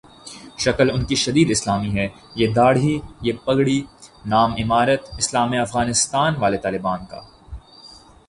شکل انکی شدید اسلامی ہے ، یہ دھاڑی ، یہ پگڑی ، نام امارت اسلامیہ افغانستان والے طالبان کا ۔